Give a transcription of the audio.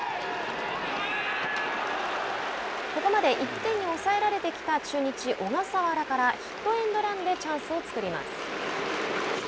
ここまで１点に抑えられてきた中日、小笠原からヒットエンドランでチャンスを作ります。